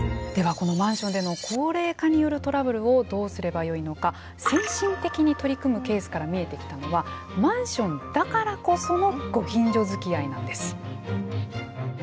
このマンションでの高齢化によるトラブルをどうすればよいのか先進的に取り組むケースから見えてきたのはマンション“だからこそ”のご近所づきあいなんです。